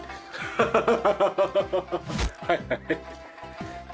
ハハハハ！